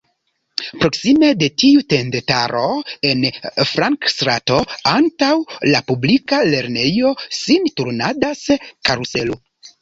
Proksime de tiu tendetaro, en flankstrato antaŭ la publika lernejo sin turnadas karuselo.